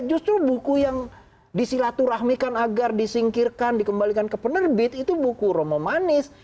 justru buku yang disilaturahmikan agar disingkirkan dikembalikan ke penerbit itu buku romo manis